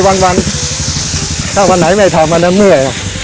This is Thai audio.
มาวางถ้าวันไหนไม่ทำมันเงื่อ